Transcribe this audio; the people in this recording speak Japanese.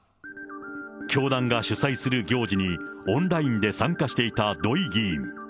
教団が主催する行事にオンラインで参加していた土井議員。